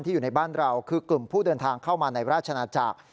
อยู่ในบ้านเราคือกลุ่มผู้เดินทางเข้ามาในราชนาจักร